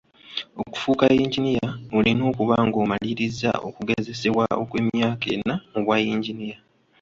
Okufuuka yinginiya, olina okuba ng'omaliriza okugezesebwa okw'emyaka ena mu bwa yinginiya.